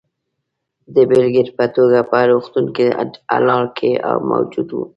د بېلګې په توګه په زرغون هلال کې موجود وو.